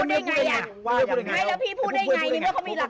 ไม่รู้แล้วพี่พูดได้ไง